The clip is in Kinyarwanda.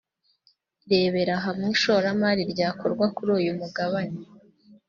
irebera hamwe ishoramari ryakorwa kuri uyu mugabane